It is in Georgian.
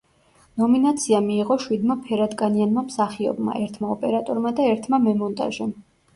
ნომინაცია მიიღო შვიდმა ფერადკანიანმა მსახიობმა, ერთმა ოპერატორმა და ერთმა მემონტაჟემ.